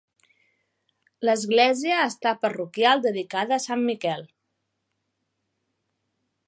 L'església està parroquial dedicada a Sant Miquel.